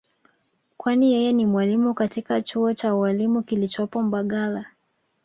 kwani yeye ni mwalimu katika chuo cha ualimu kilichopo mbagala